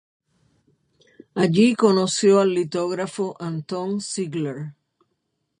Allí conoció al litógrafo Anton Ziegler.